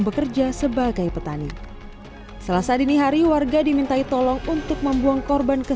bekerja sebagai petani salah saat ini hari warga dimintai tolong untuk membuang korban ke